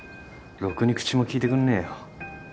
ろくに口も利いてくんねえよ。